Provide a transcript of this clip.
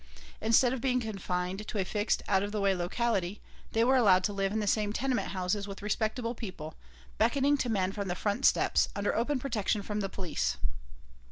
Instead of being confined to a fixed out of the way locality, they were allowed to live in the same tenement houses with respectable people, beckoning to men from the front steps, under open protection from the police.